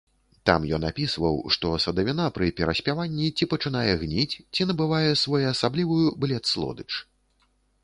Там ён апісваў, што садавіна пры пераспяванні ці пачынае гніць, ці набывае своеасаблівую блет-слодыч.